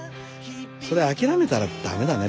それ諦めたらだめだね